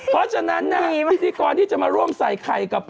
เพราะฉะนั้นพิธีกรที่จะมาร่วมใส่ไข่กับ